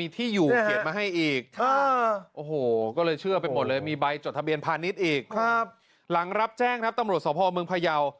นูจะเสียหายมากกว่านี้